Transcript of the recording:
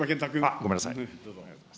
ごめんなさい。